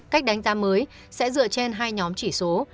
cách đánh giá mới sẽ dựa trên hai nhóm chỉ số